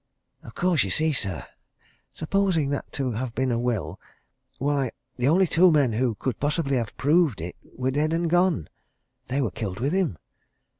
Of course, you see, sir, supposing that to have been a will why, the only two men who could possibly have proved it was were dead and gone! They were killed with him.